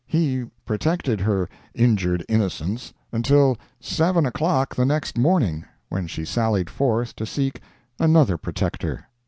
He protected her injured innocence until seven o'clock the next morning, when she sallied forth to seek another protector.